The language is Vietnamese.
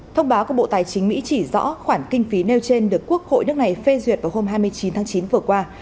thông báo của bộ tài chính mỹ chỉ rõ khoản kinh phí nêu trên được quốc hội nước này phê duyệt vào hôm hai mươi chín tháng chín vừa qua